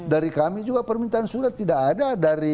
dari kami juga permintaan sudah tidak ada